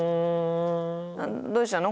どうしたの？